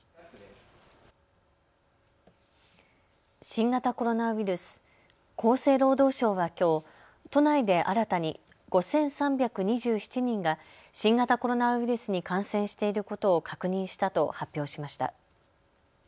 新型コロナウイルス、厚生労働省はきょう都内で新たに５３２７人が新型コロナウイルスに感染していることを確認したと発表しました。